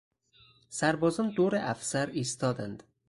سربازان دور افسر ایستادند.